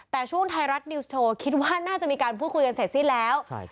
แต่ช่วงไทยรัฐนิวส์โชว์คิดว่าน่าจะมีการพูดคุยกันเสร็จสิ้นแล้ว